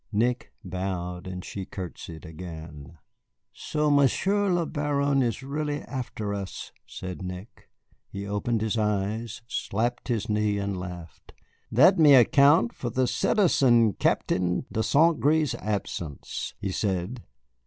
Nick bowed, and she courtesied again. "So Monsieur le Baron is really after us," said Nick. He opened his eyes, slapped his knee, and laughed. "That may account for the Citizen Captain de St. Gré's absence," he said.